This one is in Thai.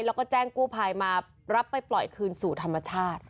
แล้วก็แจ้งกู้ภัยมารับไปปล่อยคืนสู่ธรรมชาติ